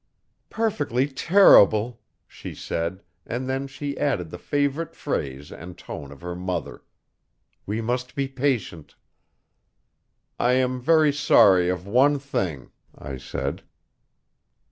'Perfectly terrible!' she said, and then she added the favourite phrase and tone of her mother: 'We must be patient.' 'I am very sorry of one thing,' I said.